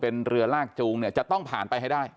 เป็นเรือลากจูงเนี่ยจะต้องผ่านไปให้ได้